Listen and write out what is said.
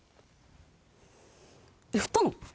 えっ振ったの？